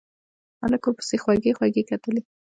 هلک ورپسې خوږې خوږې کتلې.